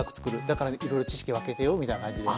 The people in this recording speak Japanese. だからいろいろ知識分けてよみたいな感じで。